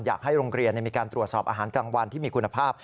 อยากให้โรงเรียนมีการตรวจสอบอาหารกลางวันที่มีคุณภาพ